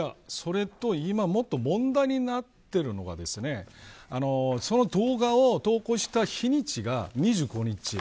それと今、もっと問題になっているのはその動画を投稿した日にちが２５日。